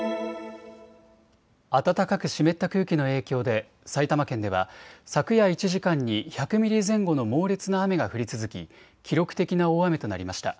暖かく湿った空気の影響で埼玉県では昨夜１時間に１００ミリ前後の猛烈な雨が降り続き記録的な大雨となりました。